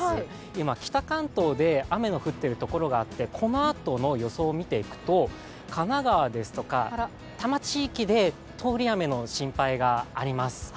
今、北関東で雨の降っているところがあってこのあとの予想を見ていくと神奈川ですとか多摩地域で通り雨の心配があります。